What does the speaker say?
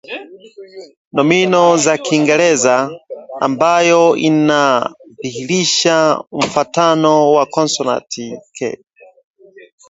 nomino ya Kiingereza [ikstnšn] ambayo inadhihirisha mfuatano wa konsonanti "k"